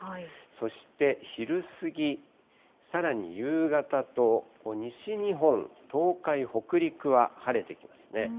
そして昼過ぎ、さらに夕方と、西日本、東海、北陸は晴れてきますね。